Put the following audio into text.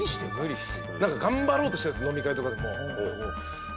何か頑張ろうとしてるんです飲み会とかで。